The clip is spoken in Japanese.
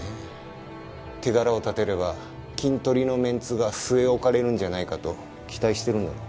手柄を立てればキントリのメンツが据え置かれるんじゃないかと期待しているんだろう。